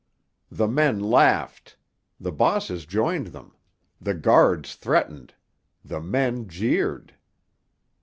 The men laughed. The bosses joined them. The guards threatened. The men jeered.